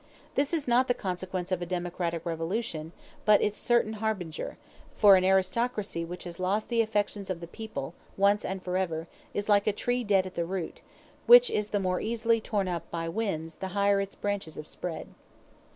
This is not the consequence of a democratic revolution, but its certain harbinger; for an aristocracy which has lost the affections of the people, once and forever, is like a tree dead at the root, which is the more easily torn up by the winds the higher its branches have spread.